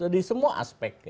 di semua aspek